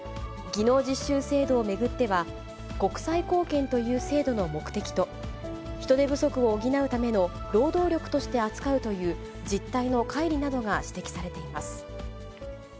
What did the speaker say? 技能実習制度を巡っては、国際貢献という制度の目的と、人手不足を補うための労働力として扱うという、実態のかい離などが指摘されています。